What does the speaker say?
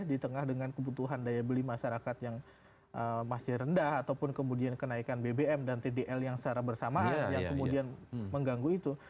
di tengah dengan kebutuhan daya beli masyarakat yang masih rendah ataupun kemudian kenaikan bbm dan tdl yang secara bersamaan yang kemudian mengganggu itu